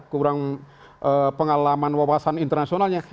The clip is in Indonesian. kurang pengalaman wawasan internasionalnya